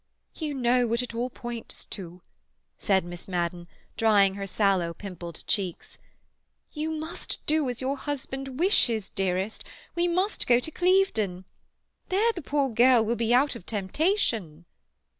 "You know what it all points to," said Miss Madden, drying her sallow, pimpled cheeks. "You must do as your husband wishes, dearest. We must go to Clevedon. There the poor girl will be out of temptation."